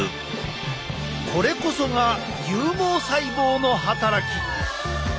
これこそが有毛細胞の働き！